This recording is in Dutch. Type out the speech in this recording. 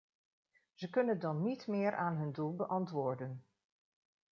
Ze kunnen dan niet meer aan hun doel beantwoorden.